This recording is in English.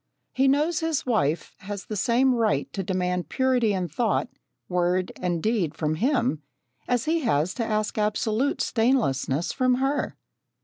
He knows his wife has the same right to demand purity in thought, word, and deed from him, as he has to ask absolute stainlessness from her.